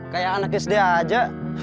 kayak anak sd aja